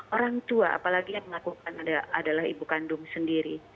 orang tua apalagi yang melakukan adalah ibu kandung sendiri